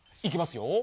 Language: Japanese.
いきますよ。